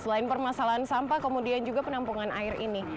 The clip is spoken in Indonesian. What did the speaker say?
selain permasalahan sampah kemudian juga penampungan air ini